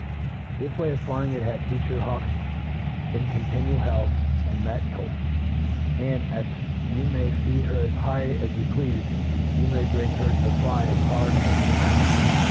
THIff way of flying at heck keeps your hawl^ in continual health an4 metal; and, as you may feed her as high as you pleafe, you may bring her to fly as hard as any haggard.